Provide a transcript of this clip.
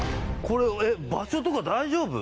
これえっ場所とか大丈夫？